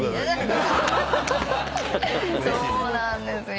そうなんですよ。